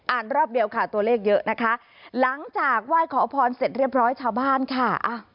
รอบเดียวค่ะตัวเลขเยอะนะคะหลังจากไหว้ขอพรเสร็จเรียบร้อยชาวบ้านค่ะ